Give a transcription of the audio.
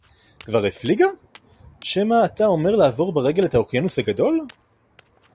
כבר הפליגה? שמא אתה אומר לעבור ברגל את האוקיינוס הגדול?!